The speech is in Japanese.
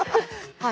はい。